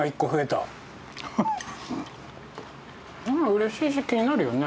うれしいし気になるよね。